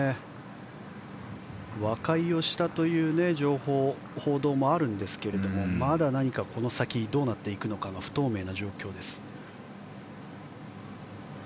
和解したという報道もあるんですけどもまだこの先どうなっていくのか不透明な状況です。